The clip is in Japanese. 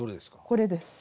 これです。